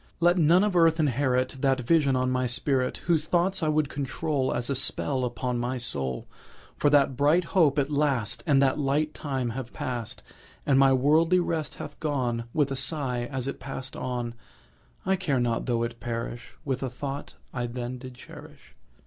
Let none of earth inherit That vision on my spirit; Those thoughts I would control As a spell upon his soul: For that bright hope at last And that light time have past, And my worldly rest hath gone With a sigh as it pass'd on I care not tho' it perish With a thought I then did cherish.